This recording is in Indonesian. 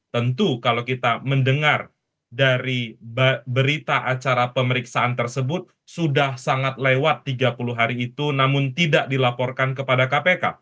tentu kalau kita mendengar dari berita acara pemeriksaan tersebut sudah sangat lewat tiga puluh hari itu namun tidak dilaporkan kepada kpk